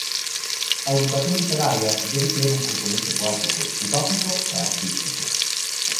A educación literaria debe ter un compoñente poético, utópico e artístico.